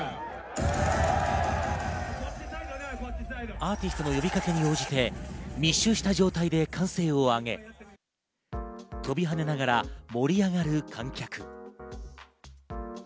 アーティストの呼びかけに応じて密集した状態で歓声を上げ飛び跳ねながら盛り上がる観客。